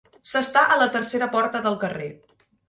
S'està a la tercera porta del carrer.